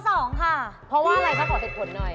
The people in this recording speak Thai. เพราะว่าอะไรคะขอเสร็จผลหน่อย